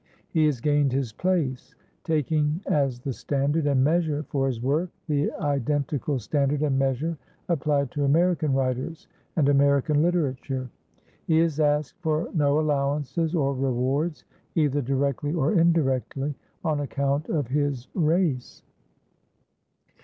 He has gained his place, taking as the standard and measure for his work the identical standard and measure applied to American writers and American literature. He has asked for no allowances or rewards, either directly or indirectly, on account of his race.